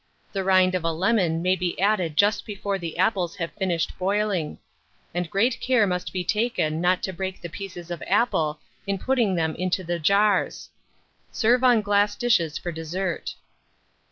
The rind of a lemon may be added just before the apples have finished boiling; and great care must be taken not to break the pieces of apple in putting them into the jars. Serve on glass dishes for dessert.